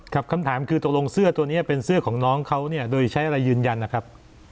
คำถามคือตกลงเสื้อตัวนี้เป็นเสื้อของน้องเขาเนี่ยโดยใช้อะไรยืนยันนะครับ